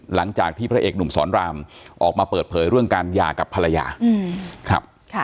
หลังจากที่พระเอกหนุ่มสอนรามออกมาเปิดเผยเรื่องการหย่ากับภรรยาครับ